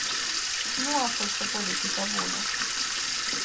Nu a fost o politică bună.